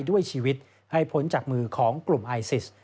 ด้วยชีวิตให้พ้นจากมือของกลุ่มไอซิส